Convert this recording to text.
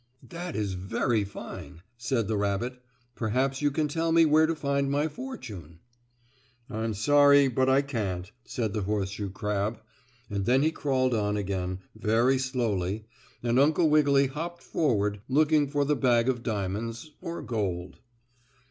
"That is very fine," said the rabbit. "Perhaps you can tell me where to find my fortune." "I'm sorry, but I can't," said the horseshoe crab, and then he crawled on again, very slowly, and Uncle Wiggily hopped forward looking for the bag of diamonds, or gold.